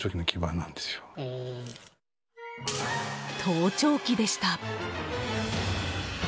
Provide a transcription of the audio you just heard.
盗聴器でした。